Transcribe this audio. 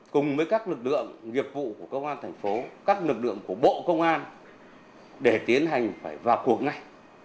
cùng với các lực lượng nghiệp vụ của công an tp các lực lượng của bộ công an để tiến hành phải vào cuộc này